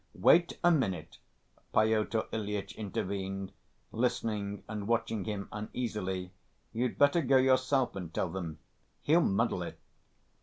"Wait a minute," Protr Ilyitch intervened, listening and watching him uneasily, "you'd better go yourself and tell them. He'll muddle it."